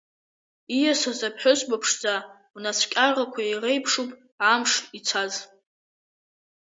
Ииасыз аԥҳәызба ԥшӡа лнацәкьарақәа иреиԥшуп амш ицаз.